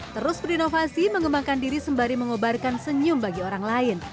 terus berinovasi mengembangkan diri sembari mengobarkan senyum bagi orang lain